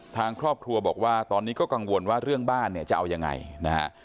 ทางครอบครัวบอกว่าตอนนี้ก็กังวลว่าเรื่องบ้านเนี่ยจะเอายังไงนะฮะ